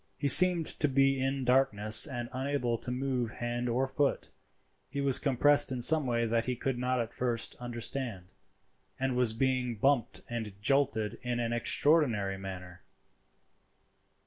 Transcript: He seemed to be in darkness and unable to move hand or foot. He was compressed in some way that he could not at first understand, and was being bumped and jolted in an extraordinary manner.